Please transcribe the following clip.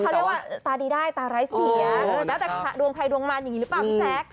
แปลว่าตาดีได้ตาไร้เสียน่าจะดวงไพรดวงมันอย่างนี้หรือเปล่าพี่แซ็ค